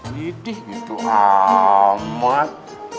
lidih gitu amat